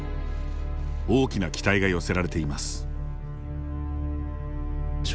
大きな期待が寄せられています。